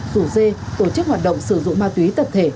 rủ dê tổ chức hoạt động sử dụng ma túy tập thể